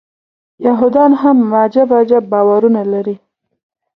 یهودان هم عجب عجب باورونه لري.